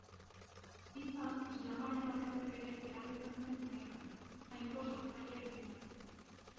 Hitza islamaren aurretik ere erabiltzen zen Mekan, jainko sortzailea izendatzeko.